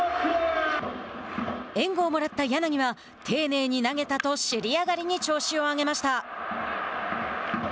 援護をもらった柳は丁寧に投げたと尻上がりに調子を上げました。